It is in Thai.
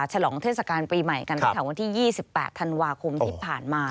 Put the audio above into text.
ลองเทศกาลปีใหม่กันตั้งแต่วันที่๒๘ธันวาคมที่ผ่านมา